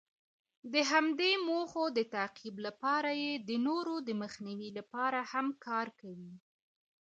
د همدې موخو د تعقیب لپاره یې د نورو د مخنیوي لپاره هم کاروي.